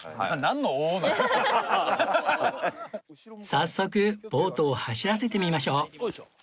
早速ボートを走らせてみましょう